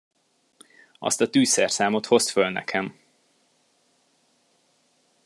Azt a tűzszerszámot hozd föl nekem!